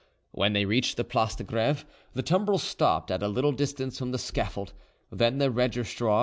When they reached the Place de Greve, the tumbril stopped at a little distance from the scaffold. Then the registrar M.